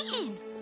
え？